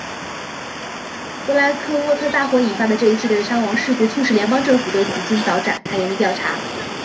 布莱克沃特大火引发的这一系列的伤亡事故促使联邦政府对此尽早展开严密调查。